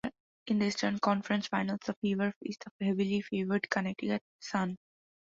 In the Eastern Conference Finals, the Fever faced the heavily favored Connecticut Sun.